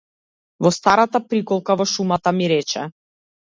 Во старата приколка во шумата ми рече.